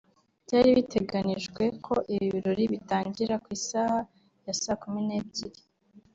Byari biteganijwe ko ibi birori bitangira ku isaha ya saa kumi n’ebyiri